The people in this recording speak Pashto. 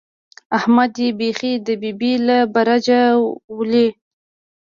احمد يې بېخي د ببۍ له برجه ولي.